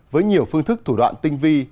với nhiều phương thức thủ đoạn tinh vi